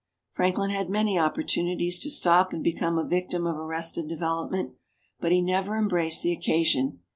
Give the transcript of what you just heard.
Franklin had many opportunities to stop and become a victim of arrested development, but he never embraced the occasion.